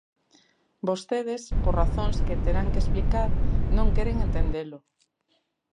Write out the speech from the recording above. Vostedes, por razóns que terán que explicar, non queren entendelo.